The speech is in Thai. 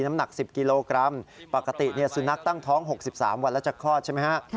น้ำหนัก๑๐กิโลกรัมปกติสุนัขตั้งท้อง๖๓วันแล้วจะคลอดใช่ไหมฮะ